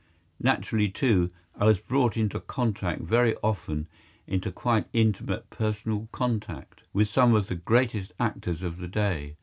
Naturally, too, I was brought into contact, very often into quite intimate personal contact, with some of the greatest actors of the day.